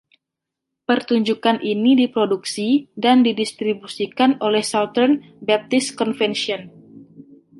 Pertunjukan ini diproduksi dan didistribusikan oleh Southern Baptist Convention.